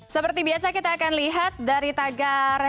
seperti biasa kita akan lihat dari tagar